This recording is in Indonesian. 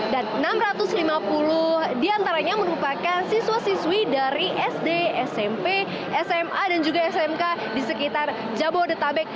dan enam ratus lima puluh diantaranya merupakan siswa siswi dari sd smp sma dan juga smk di sekitar jabodetabek